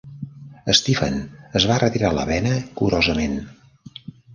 Stephen es va retirar la bena curosament.